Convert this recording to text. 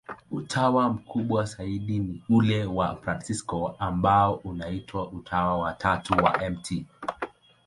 Utawa mkubwa zaidi ni ule wa Wafransisko, ambao unaitwa Utawa wa Tatu wa Mt.